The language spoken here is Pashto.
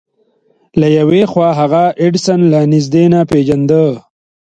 له يوې خوا هغه ايډېسن له نږدې نه پېژانده.